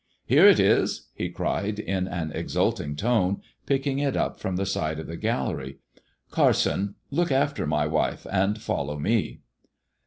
"Here it is," he cried in an exulting tone, picking it up from the side of the gallery. " Carson, look after my wife and follow me."